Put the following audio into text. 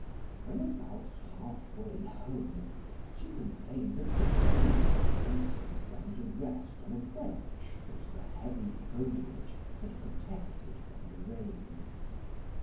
When about half way home, she complained of fatigue and sat down to rest on a bench that the heavy foliage had protected from the rain.